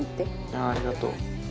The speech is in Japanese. ああありがとう。